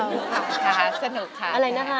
นะคะสนุกค่ะอะไรนะคะ